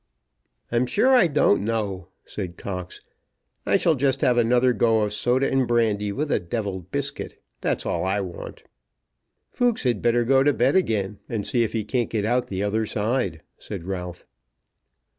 "I'm sure I don't know," said Cox. "I shall just have another go of soda and brandy with a devilled biscuit. That's all I want." "Fooks had better go to bed again, and see if he can't get out the other side," said Ralph.